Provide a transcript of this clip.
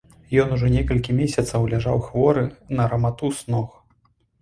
Ён ужо некалькі месяцаў ляжаў хворы на раматус ног.